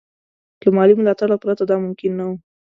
له مالي ملاتړه پرته دا ممکن نه وو.